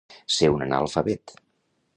Ser un analfabet.